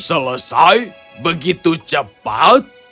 selesai begitu cepat